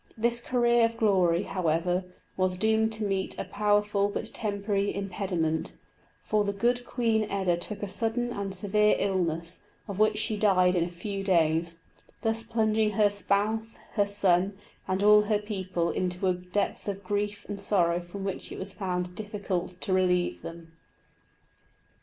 This career of glory, however, was doomed to meet a powerful but temporary impediment, for the good Queen Eda took a sudden and severe illness, of which she died in a few days, thus plunging her spouse, her son, and all her people into a depth of grief and sorrow from which it was found difficult to relieve them.